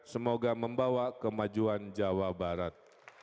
semoga membawa kemajuan jawa barat